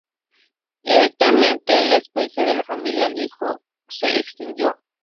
Eventualmente, la estirpe de la familia Nijō se extinguió.